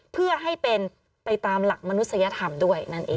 เพื่อให้เป็นไปตามหลักมนุษยธรรมด้วยนั่นเอง